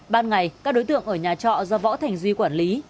ban ngày các đối tượng ở nhà trọ do võ thành duy quản lý